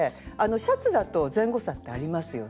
シャツだと前後差ってありますよね。